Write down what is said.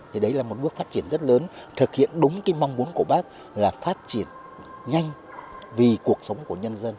thì đấy là một bước phát triển rất lớn thực hiện đúng cái mong muốn của bác là phát triển nhanh vì cuộc sống của nhân dân